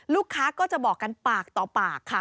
ลูกค้าก็จะบอกกันปากต่อปากค่ะ